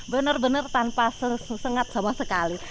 benar benar tanpa sesengat sama sekali